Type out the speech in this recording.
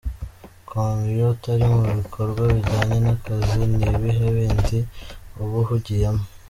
com: Iyo utari mu bikorwa bijyanye n’akazi, ni ibihe bindi uba uhugiyemo ?.